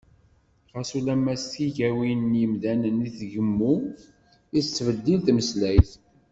Xas ulamma s tigawin n yimdanen i tgemmu, i tettbeddil tmeslayt.